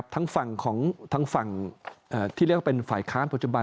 ทั้งฝั่งที่เรียกว่าฝ่ายค้างพจบัน